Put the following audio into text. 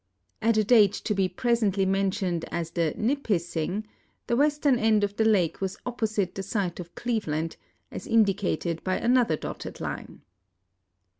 At a date to be presently mentioned as the Nipissing, the west ern end of the lake was opposite the site of Cleveland, as indi cated by another dotted line.